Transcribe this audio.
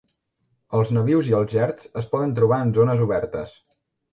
Els nabius i els gerds es poden trobar en zones obertes.